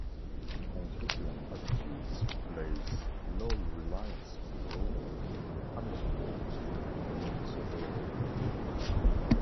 Confucian attitudes place low reliance on law and punishment for maintaining social order.